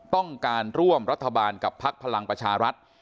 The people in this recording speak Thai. ต้องการร่วมรัฐบาลกับพักพลังประชารัฐ